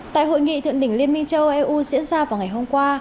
tại hội nghị thượng đỉnh liên minh châu âu eu diễn ra vào ngày hôm qua